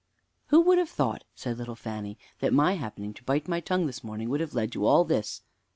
"Who would have thought," said little Fanny, "that my happening to bite my tongue this morning would have led to all this?"